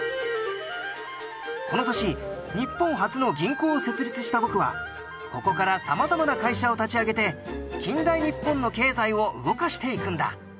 この年日本初の銀行を設立した僕はここから様々な会社を立ち上げて近代日本の経済を動かしていくんだ。